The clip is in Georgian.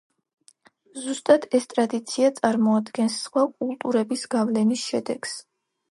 ზუსტად ეს ტრადიცია წარმოადგენს სხვა კულტურების გავლენის შედეგს.